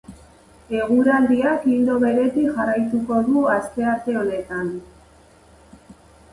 Eguraldiak ildo beretik jarraituko du astearte honetan.